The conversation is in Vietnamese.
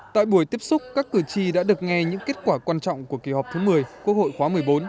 tại buổi tiếp xúc các cử tri đã được nghe những kết quả quan trọng của kỳ họp thứ một mươi quốc hội khóa một mươi bốn